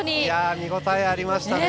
見応えありましたね。